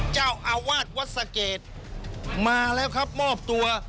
เจ้าอาวาสวัดสะเกดมาแล้วครับมอบตัว